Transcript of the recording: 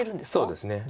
そうですね。